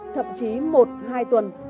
thậm chí một hai tuần